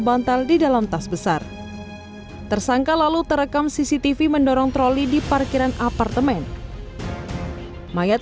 bantal di dalam tas besar tersangka lalu terekam cctv mendorong troli di parkiran apartemen mayat